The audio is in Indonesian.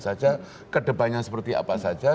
saja kedepannya seperti apa saja